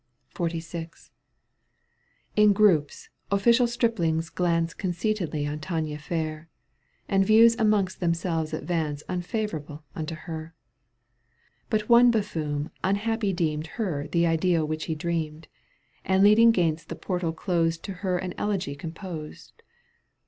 XLVL In groups, official striplings glance 4 Conceitedly on Tania fair, And views amongst themselves advance j^ Unfavourable unto her. But one buffoon unhappy deemed Her the ideal which he dreamed. And leaning 'gainst the portal closed To her an elegy composed.